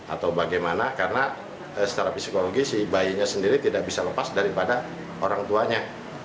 atau bagaimana karena secara psikologi si bayinya sendiri tidak bisa lepas daripada orang tuanya